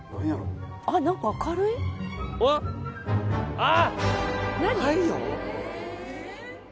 あっ！